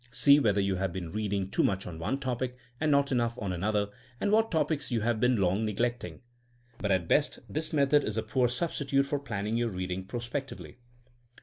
See whether you have been reading too much on one topic and not enough on another, and what topics you have been long neglecting. But at best this method is a poor substitute for planning your reading prospectively.